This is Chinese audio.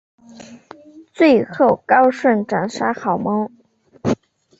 最后高顺斩杀郝萌。